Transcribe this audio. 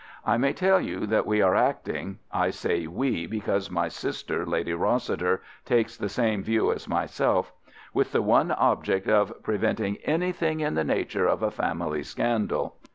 I may tell you that we are acting—I say 'we,' because my sister, Lady Rossiter, takes the same view as myself—with the one object of preventing anything in the nature of a family scandal.